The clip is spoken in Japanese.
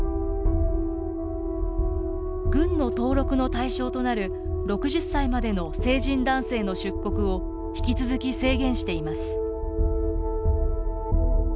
軍の登録の対象となる６０歳までの成人男性の出国を引き続き制限しています。